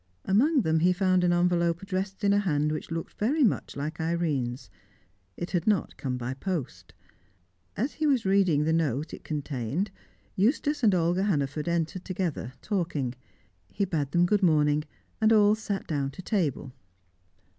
Among them he found an envelope addressed in a hand which looked very much like Irene's; it had not come by post. As he was reading the note it contained, Eustace and Olga Hannaford entered together, talking. He bade them good morning, and all sat down to table.